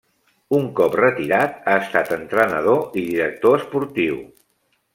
Un cop retirat ha estat entrenador i director esportiu.